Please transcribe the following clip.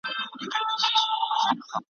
ښکاري زرکه هم په نورو پسي ولاړه ,